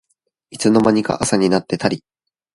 いつの間にか朝になってたり